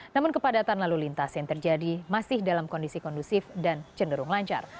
namun kepadatan lalu lintas yang terjadi masih dalam kondisi kondusif dan cenderung lancar